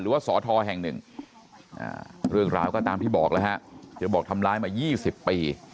ว่าสอทอแห่งหนึ่งเรื่องราวก็ตามที่บอกแล้วฮะเธอบอกทำร้ายมา๒๐ปี